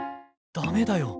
ダメだよ。